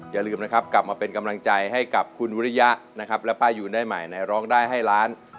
อย่าลืมนะครับกลับมาเป็นกำลังใจให้กับคุณวิริยะนะครับและป้ายูนได้ใหม่ในร้องได้ให้ล้าน